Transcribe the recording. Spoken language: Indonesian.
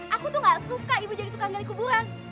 aku tuh gak suka ibu jadi tukang gali kuburan